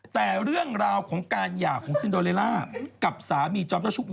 แต่เรื่องราวของการหย่าของซินโดเลล่ากับสามีจอมเจ้าชุก